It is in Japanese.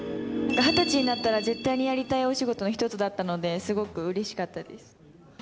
２０歳になったら絶対にやりたいお仕事の一つだったので、すごくうれしかったです。